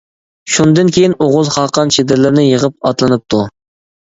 شۇندىن كېيىن ئوغۇز خاقان چېدىرلىرىنى يىغىپ ئاتلىنىپتۇ.